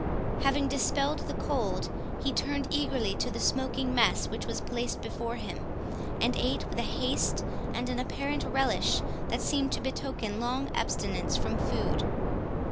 Having dispelled the cold, he turned eagerly to the smoking mess which was placed before him, and ate with a haste and an apparent relish, that seemed to betoken long abstinence from food.